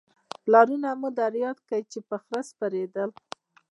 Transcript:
پلرونه مو در یاد کړئ چې په خره سپرېدل